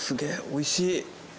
おいしい。